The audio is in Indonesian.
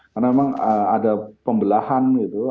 karena memang ada pembelahan gitu